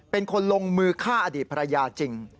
เป็นคนลงมือฆ่าอดีตภรรยาจริง